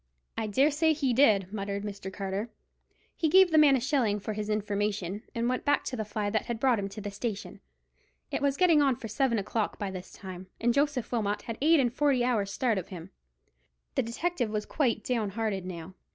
"I dare say he did," muttered Mr. Carter. He gave the man a shilling for his information, and went back to the fly that had brought him to the station. It was getting on for seven o'clock by this time, and Joseph Wilmot had had eight and forty hours' start of him. The detective was quite down hearted now.